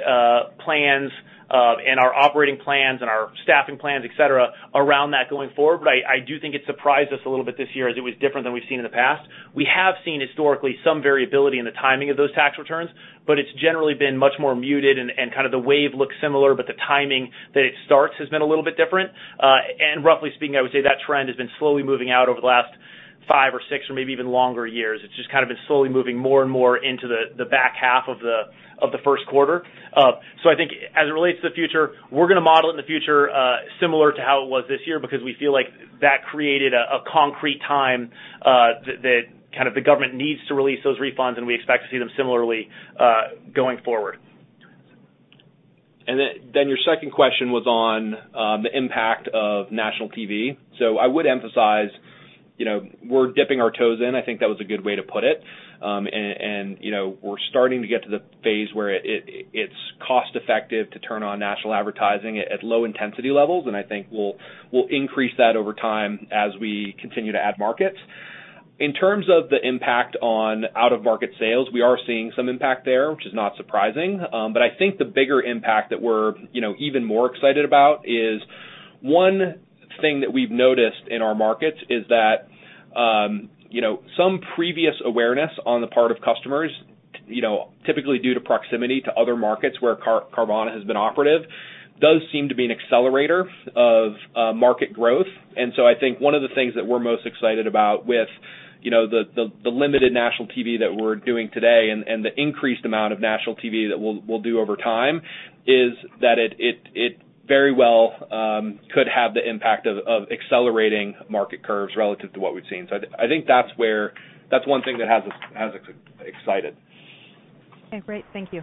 plans, and our operating plans and our staffing plans, et cetera, around that going forward. I do think it surprised us a little bit this year as it was different than we've seen in the past. We have seen historically some variability in the timing of those tax returns, but it's generally been much more muted and kind of the wave looks similar, but the timing that it starts has been a little bit different. Roughly speaking, I would say that trend has been slowly moving out over the last five or six or maybe even longer years. It's just kind of been slowly moving more and more into the back half of the first quarter. I think as it relates to the future, we're going to model it in the future, similar to how it was this year, because we feel like that created a concrete time that kind of the government needs to release those refunds, and we expect to see them similarly, going forward. Your second question was on the impact of national TV. I would emphasize, we're dipping our toes in. I think that was a good way to put it. We're starting to get to the phase where it's cost-effective to turn on national advertising at low intensity levels, and I think we'll increase that over time as we continue to add markets. In terms of the impact on out-of-market sales, we are seeing some impact there, which is not surprising. I think the bigger impact that we're even more excited about is one thing that we've noticed in our markets is that some previous awareness on the part of customers, typically due to proximity to other markets where Carvana has been operative, does seem to be an accelerator of market growth. I think one of the things that we're most excited about with the limited national TV that we're doing today and the increased amount of national TV that we'll do over time, is that it very well could have the impact of accelerating market curves relative to what we've seen. I think that's one thing that has us excited. Okay, great. Thank you.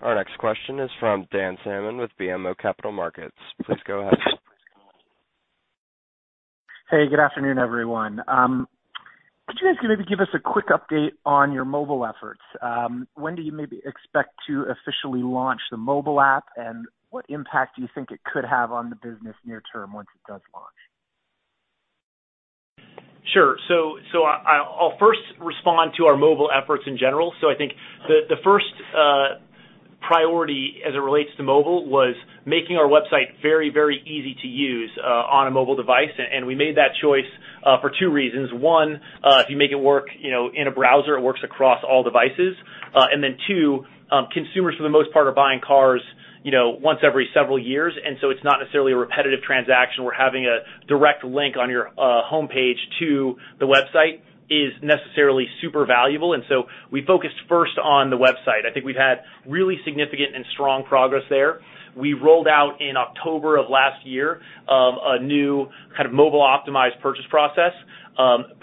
Our next question is from Dan Salmon with BMO Capital Markets. Please go ahead. Hey, good afternoon, everyone. Could you guys maybe give us a quick update on your mobile efforts? When do you maybe expect to officially launch the mobile app, and what impact do you think it could have on the business near term once it does launch? Sure. I'll first respond to our mobile efforts in general. I think the first priority as it relates to mobile was making our website very, very easy to use on a mobile device. We made that choice for two reasons. One, if you make it work in a browser, it works across all devices. Then two, consumers, for the most part, are buying cars once every several years. It's not necessarily a repetitive transaction where having a direct link on your homepage to the website is necessarily super valuable. We focused first on the website. I think we've had really significant and strong progress there. We rolled out in October of last year, a new kind of mobile-optimized purchase process.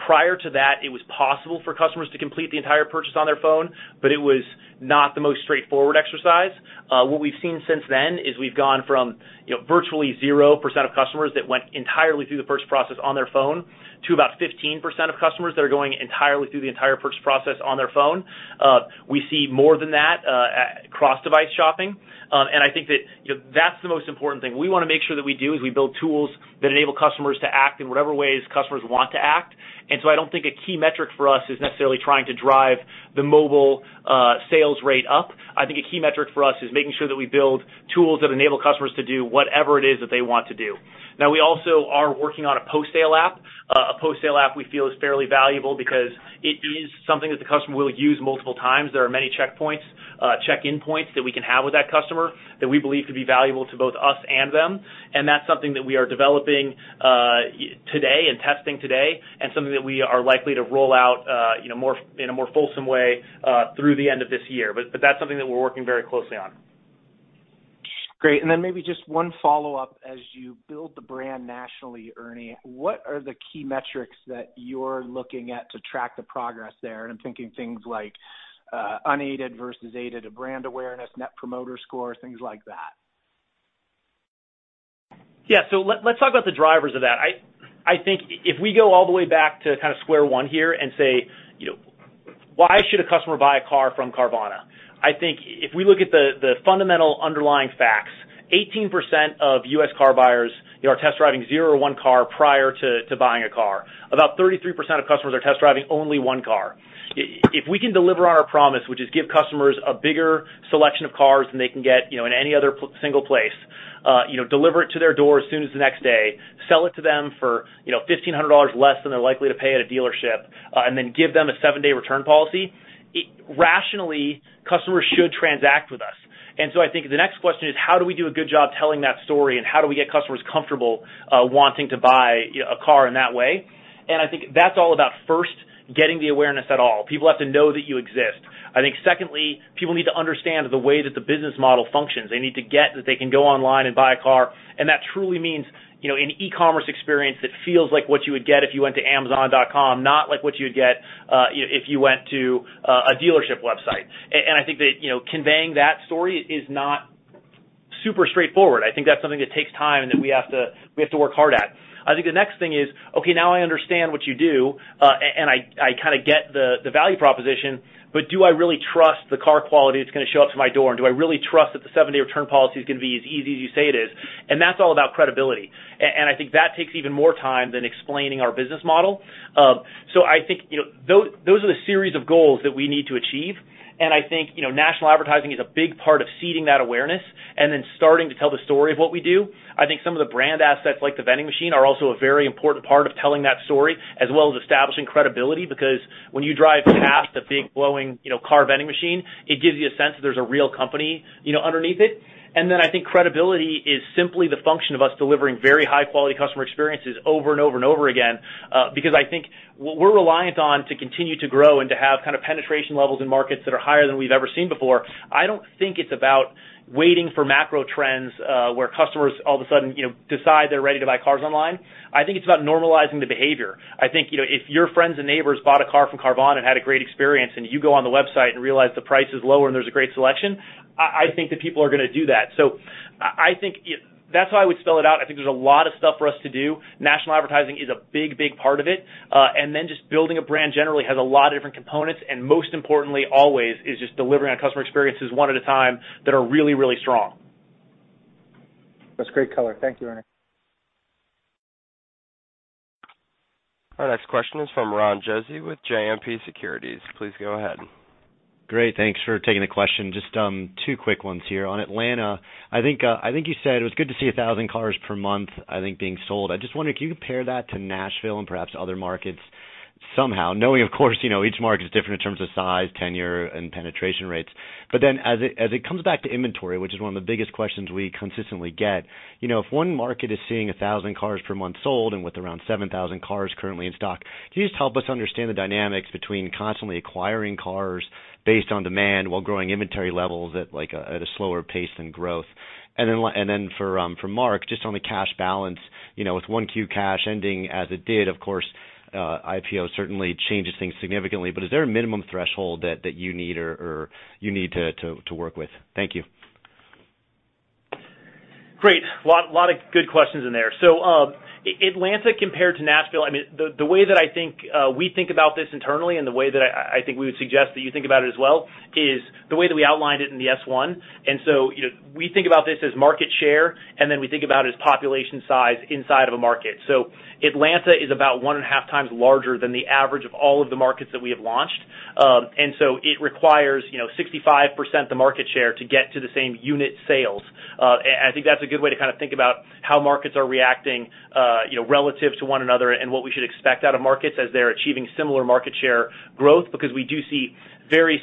Prior to that, it was possible for customers to complete the entire purchase on their phone, but it was not the most straightforward exercise. What we've seen since then is we've gone from virtually 0% of customers that went entirely through the purchase process on their phone to about 15% of customers that are going entirely through the entire purchase process on their phone. We see more than that cross-device shopping. I think that that's the most important thing. We want to make sure that we do is we build tools that enable customers to act in whatever ways customers want to act. I don't think a key metric for us is necessarily trying to drive the mobile sales rate up. I think a key metric for us is making sure that we build tools that enable customers to do whatever it is that they want to do. Now, we also are working on a post-sale app. A post-sale app we feel is fairly valuable because it is something that the customer will use multiple times. There are many check-in points that we can have with that customer that we believe could be valuable to both us and them, and that's something that we are developing today and testing today, and something that we are likely to roll out in a more fulsome way through the end of this year. That's something that we're working very closely on. Great. Then maybe just one follow-up. As you build the brand nationally, Ernie, what are the key metrics that you're looking at to track the progress there? I'm thinking things like unaided versus aided brand awareness, net promoter score, things like that. Yeah. Let's talk about the drivers of that. I think if we go all the way back to square one here and say, why should a customer buy a car from Carvana? I think if we look at the fundamental underlying facts, 18% of U.S. car buyers are test driving 0 or one car prior to buying a car. About 33% of customers are test driving only one car. If we can deliver on our promise, which is give customers a bigger selection of cars than they can get in any other single place, deliver it to their door as soon as the next day, sell it to them for $1,500 less than they're likely to pay at a dealership, give them a seven-day return policy, rationally, customers should transact with us. I think the next question is, how do we do a good job telling that story, and how do we get customers comfortable wanting to buy a car in that way? I think that's all about first getting the awareness at all. People have to know that you exist. I think secondly, people need to understand the way that the business model functions. They need to get that they can go online and buy a car. That truly means an e-commerce experience that feels like what you would get if you went to Amazon.com, not like what you would get if you went to a dealership website. I think that conveying that story is not super straightforward. I think that's something that takes time and that we have to work hard at. I think the next thing is, okay, now I understand what you do, and I get the value proposition, but do I really trust the car quality that's going to show up to my door, and do I really trust that the seven-day return policy is going to be as easy as you say it is? That's all about credibility. I think that takes even more time than explaining our business model. I think those are the series of goals that we need to achieve, and I think national advertising is a big part of seeding that awareness and then starting to tell the story of what we do. I think some of the brand assets, like the vending machine, are also a very important part of telling that story, as well as establishing credibility, because when you drive past a big glowing car vending machine, it gives you a sense that there's a real company underneath it. I think credibility is simply the function of us delivering very high-quality customer experiences over and over and over again. Because I think what we're reliant on to continue to grow and to have penetration levels in markets that are higher than we've ever seen before, I don't think it's about waiting for macro trends where customers all of a sudden decide they're ready to buy cars online. I think it's about normalizing the behavior. I think if your friends and neighbors bought a car from Carvana and had a great experience, and you go on the website and realize the price is lower and there's a great selection, I think that people are going to do that. I think that's how I would spell it out. I think there's a lot of stuff for us to do. National advertising is a big part of it. Just building a brand generally has a lot of different components, and most importantly, always, is just delivering on customer experiences one at a time that are really strong. That's great color. Thank you, Ernie. Our next question is from Ron Josey with JMP Securities. Please go ahead. Great. Thanks for taking the question. Just two quick ones here. On Atlanta, I think you said it was good to see 1,000 cars per month, I think, being sold. I just wonder, can you compare that to Nashville and perhaps other markets somehow? Knowing, of course, each market is different in terms of size, tenure, and penetration rates. As it comes back to inventory, which is one of the biggest questions we consistently get, if one market is seeing 1,000 cars per month sold and with around 7,000 cars currently in stock, can you just help us understand the dynamics between constantly acquiring cars based on demand while growing inventory levels at a slower pace than growth? For Mark, just on the cash balance, with 1Q cash ending as it did, of course, IPO certainly changes things significantly, but is there a minimum threshold that you need to work with? Thank you. Great. Lot of good questions in there. Atlanta compared to Nashville, the way that I think we think about this internally and the way that I think we would suggest that you think about it as well is the way that we outlined it in the S1. We think about this as market share, and then we think about as population size inside of a market. Atlanta is about one and a half times larger than the average of all of the markets that we have launched. It requires 65% the market share to get to the same unit sales. I think that's a good way to think about how markets are reacting relative to one another and what we should expect out of markets as they're achieving similar market share growth, because we do see very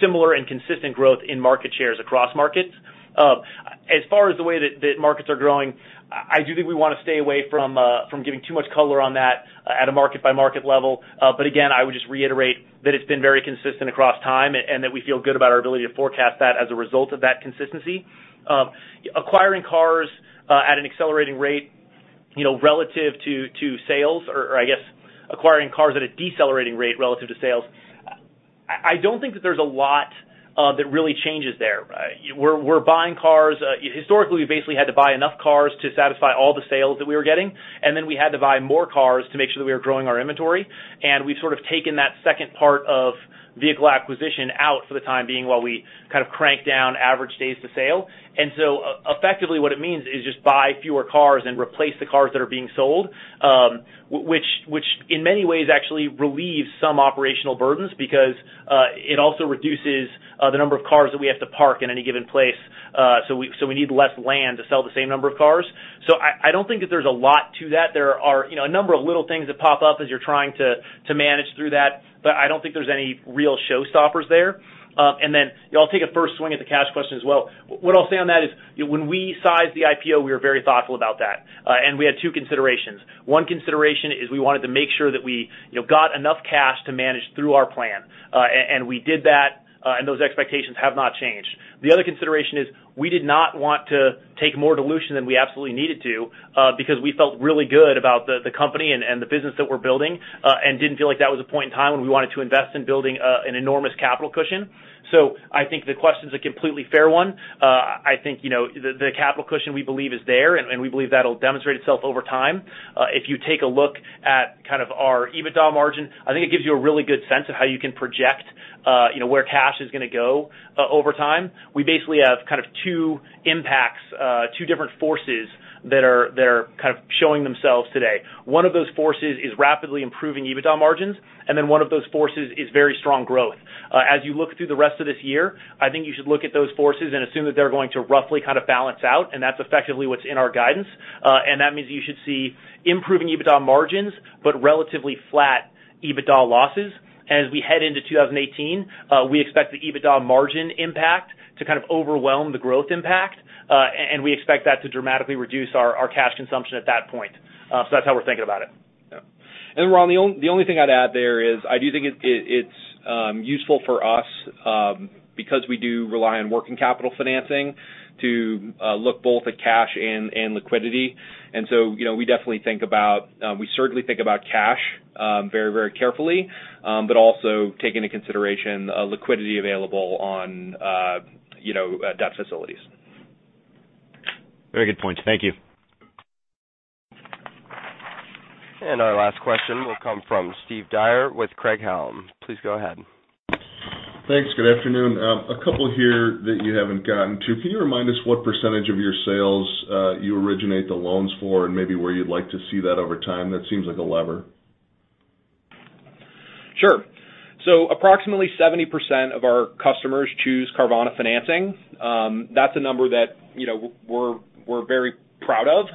similar and consistent growth in market shares across markets. As far as the way that markets are growing, I do think we want to stay away from giving too much color on that at a market-by-market level. Again, I would just reiterate that it's been very consistent across time and that we feel good about our ability to forecast that as a result of that consistency. Acquiring cars at an accelerating rate Relative to sales, or I guess acquiring cars at a decelerating rate relative to sales, I don't think that there's a lot that really changes there. We're buying cars. Historically, we basically had to buy enough cars to satisfy all the sales that we were getting, then we had to buy more cars to make sure that we were growing our inventory, we've sort of taken that second part of vehicle acquisition out for the time being while we crank down average days to sale. Effectively what it means is just buy fewer cars and replace the cars that are being sold, which in many ways actually relieves some operational burdens because it also reduces the number of cars that we have to park in any given place. We need less land to sell the same number of cars. I don't think that there's a lot to that. There are a number of little things that pop up as you're trying to manage through that, I don't think there's any real showstoppers there. I'll take a first swing at the cash question as well. What I'll say on that is when we sized the IPO, we were very thoughtful about that. We had two considerations. One consideration is we wanted to make sure that we got enough cash to manage through our plan. We did that, and those expectations have not changed. The other consideration is we did not want to take more dilution than we absolutely needed to, because we felt really good about the company and the business that we're building, and didn't feel like that was a point in time when we wanted to invest in building an enormous capital cushion. I think the question's a completely fair one. I think the capital cushion, we believe, is there, and we believe that'll demonstrate itself over time. If you take a look at our EBITDA margin, I think it gives you a really good sense of how you can project where cash is going to go over time. We basically have two impacts, two different forces that are showing themselves today. One of those forces is rapidly improving EBITDA margins, then one of those forces is very strong growth. As you look through the rest of this year, I think you should look at those forces and assume that they're going to roughly balance out, and that's effectively what's in our guidance. That means you should see improving EBITDA margins, but relatively flat EBITDA losses. As we head into 2018, we expect the EBITDA margin impact to overwhelm the growth impact, and we expect that to dramatically reduce our cash consumption at that point. That's how we're thinking about it. Yeah. Ron, the only thing I'd add there is I do think it's useful for us, because we do rely on working capital financing, to look both at cash and liquidity. We certainly think about cash very carefully, but also take into consideration liquidity available on debt facilities. Very good points. Thank you. Our last question will come from Steve Dyer with Craig-Hallum. Please go ahead. Thanks. Good afternoon. A couple here that you haven't gotten to. Can you remind us what % of your sales you originate the loans for, and maybe where you'd like to see that over time? That seems like a lever. Sure. Approximately 70% of our customers choose Carvana financing. That's a number that we're very proud of,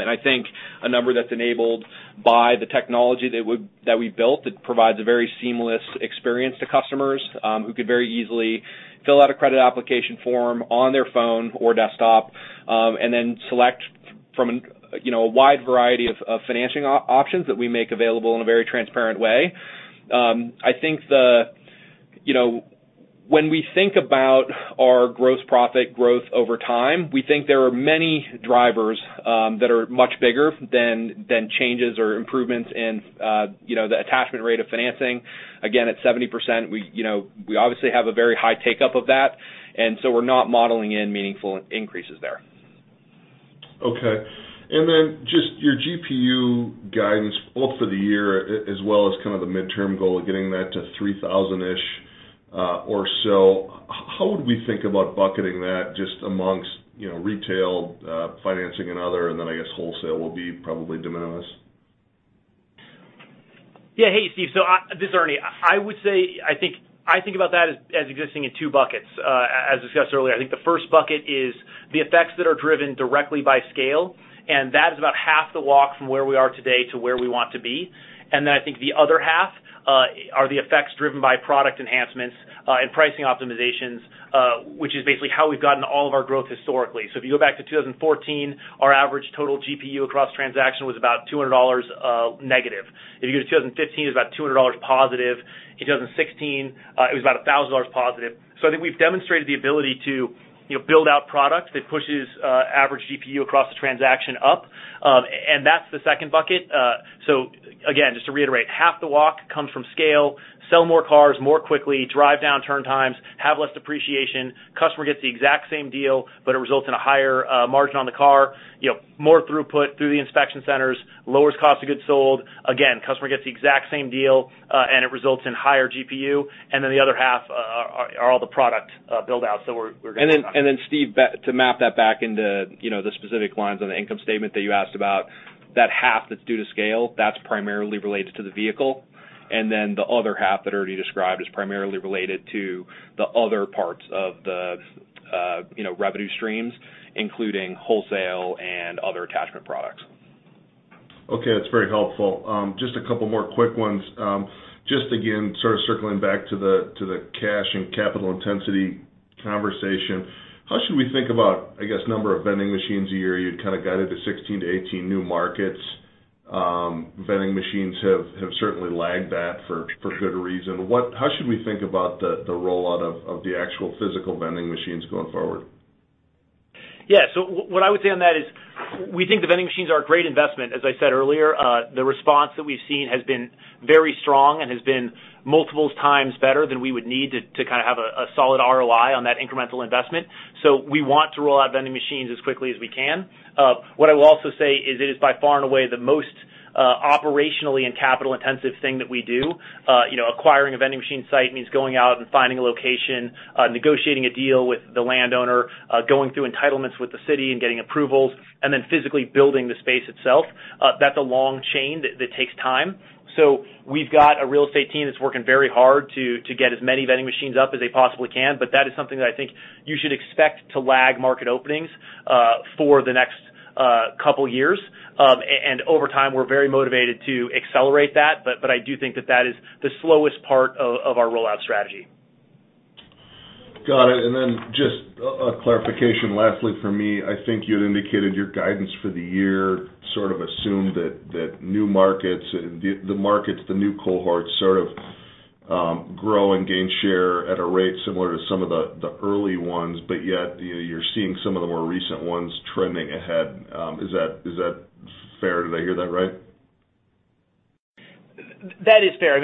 and I think a number that's enabled by the technology that we've built that provides a very seamless experience to customers, who could very easily fill out a credit application form on their phone or desktop, and then select from a wide variety of financing options that we make available in a very transparent way. When we think about our gross profit growth over time, we think there are many drivers that are much bigger than changes or improvements in the attachment rate of financing. Again, at 70%, we obviously have a very high take-up of that. We're not modeling in meaningful increases there. Okay. Just your GPU guidance both for the year as well as the midterm goal of getting that to 3,000-ish or so, how would we think about bucketing that just amongst retail, financing and other, and then I guess wholesale will be probably de minimis? Hey, Steve. This is Ernie. I would say, I think about that as existing in two buckets. As discussed earlier, I think the first bucket is the effects that are driven directly by scale, and that is about half the walk from where we are today to where we want to be. I think the other half are the effects driven by product enhancements and pricing optimizations, which is basically how we've gotten all of our growth historically. If you go back to 2014, our average total GPU across transaction was about $200 negative. If you go to 2015, it was about $200 positive. In 2016, it was about $1,000 positive. I think we've demonstrated the ability to build out product that pushes average GPU across a transaction up. That's the second bucket. Again, just to reiterate, half the walk comes from scale, sell more cars more quickly, drive down turn times, have less depreciation, customer gets the exact same deal, but it results in a higher margin on the car, more throughput through the inspection centers, lowers cost of goods sold. Again, customer gets the exact same deal, it results in higher GPU. The other half are all the product build-outs that we're going to work on. Steve, to map that back into the specific lines on the income statement that you asked about, that half that's due to scale, that's primarily related to the vehicle. The other half that Ernie described is primarily related to the other parts of the revenue streams, including wholesale and other attachment products. That's very helpful. Just a couple more quick ones. Just again, sort of circling back to the cash and capital intensity conversation. How should we think about, I guess, number of vending machines a year? You'd kind of guided to 16 to 18 new markets. Vending machines have certainly lagged that for good reason. How should we think about the rollout of the actual physical vending machines going forward? Yeah. What I would say on that is we think the vending machines are a great investment. As I said earlier, the response that we've seen has been very strong and has been multiples times better than we would need to have a solid ROI on that incremental investment. We want to roll out vending machines as quickly as we can. What I will also say is it is by far and away the most operationally and capital-intensive thing that we do. Acquiring a vending machine site means going out and finding a location, negotiating a deal with the landowner, going through entitlements with the city and getting approvals, and then physically building the space itself. That's a long chain that takes time. We've got a real estate team that's working very hard to get as many vending machines up as they possibly can, but that is something that I think you should expect to lag market openings for the next couple of years. Over time, we're very motivated to accelerate that, but I do think that that is the slowest part of our rollout strategy. Got it. Just a clarification lastly from me. I think you had indicated your guidance for the year sort of assumed that new markets and the markets, the new cohorts sort of grow and gain share at a rate similar to some of the early ones, but yet you're seeing some of the more recent ones trending ahead. Is that fair? Did I hear that right? That is fair.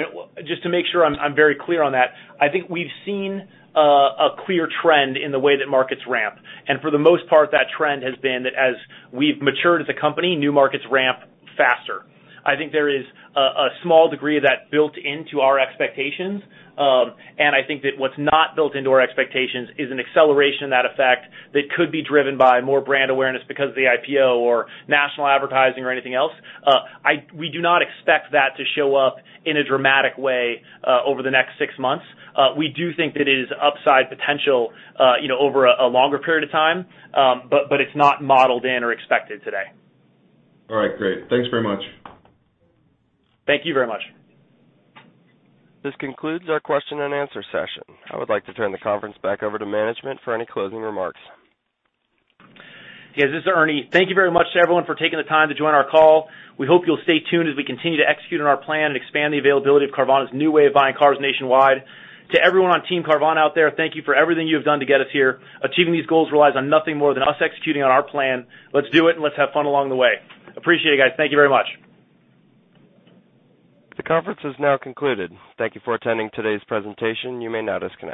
Just to make sure I'm very clear on that, I think we've seen a clear trend in the way that markets ramp. For the most part, that trend has been that as we've matured as a company, new markets ramp faster. I think there is a small degree of that built into our expectations. I think that what's not built into our expectations is an acceleration of that effect that could be driven by more brand awareness because of the IPO or national advertising or anything else. We do not expect that to show up in a dramatic way over the next six months. We do think that it is upside potential over a longer period of time. It's not modeled in or expected today. All right, great. Thanks very much. Thank you very much. This concludes our question and answer session. I would like to turn the conference back over to management for any closing remarks. Yes, this is Ernie. Thank you very much to everyone for taking the time to join our call. We hope you'll stay tuned as we continue to execute on our plan and expand the availability of Carvana's new way of buying cars nationwide. To everyone on Team Carvana out there, thank you for everything you have done to get us here. Achieving these goals relies on nothing more than us executing on our plan. Let's do it, and let's have fun along the way. Appreciate it, guys. Thank you very much. The conference is now concluded. Thank you for attending today's presentation. You may now disconnect.